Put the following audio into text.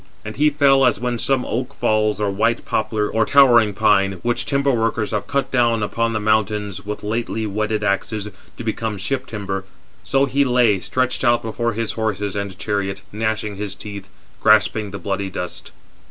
And he fell, as when some oak falls, or white poplar, 426 or towering 427 pine, which timber workers have cut down upon the mountains with lately whetted axes, to become ship timber. So he lay, stretched out before his horses and chariot, gnashing his teeth, grasping the bloody dust.